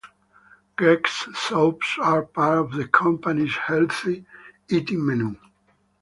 Greggs' soups are part of the company's healthy eating menu.